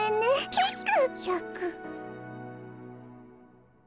ヒック。